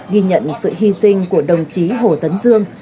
ghi nhận sự hy sinh của đồng chí hồ tấn dương